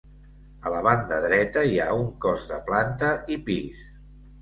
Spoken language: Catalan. A la banda dreta, hi ha un cos de planta i pis.